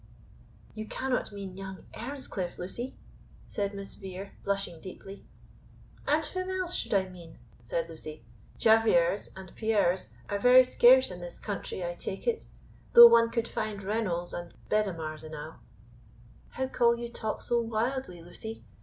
"You cannot mean young Earnscliff, Lucy?" said Miss Vere, blushing deeply. "And whom else should I mean," said Lucy. "Jaffiers and Pierres are very scarce in this country, I take it, though one could find Renaults and Bedamars enow." "How call you talk so wildly, Lucy?